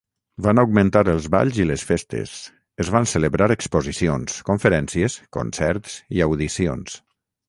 Van augmentar els balls i les festes, es van celebrar exposicions, conferències, concerts i audicions.